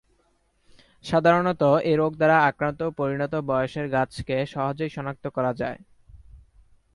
সাধারণত এ রোগ দ্বারা আক্রান্ত পরিণত বয়সের গাছকে সহজেই শনাক্ত করা যায়।